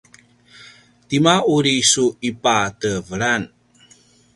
tima uri su ipatevelan?